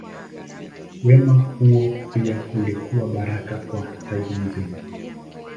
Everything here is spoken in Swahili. Wema huo pia ulikuwa baraka kwa taifa zima.